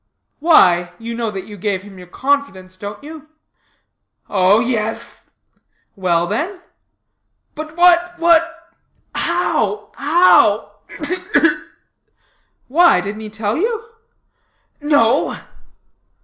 "Why, you know that you gave him your confidence, don't you?" "Oh, yes." "Well, then?" "But what, what how, how ugh, ugh!" "Why, didn't he tell you?" "No."